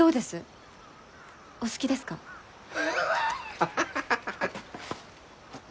ハハハハハハッ。